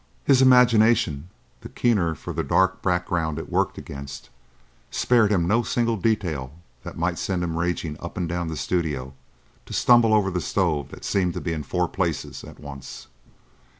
His imagination, the keener for the dark background it worked against, spared him no single detail that might send him raging up and down the studio, to stumble over the stove that seemed to be in four places at once.